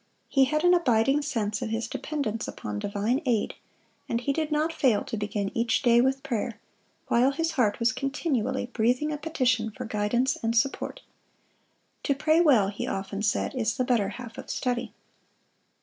He had an abiding sense of his dependence upon divine aid, and he did not fail to begin each day with prayer, while his heart was continually breathing a petition for guidance and support. "To pray well," he often said, "is the better half of study."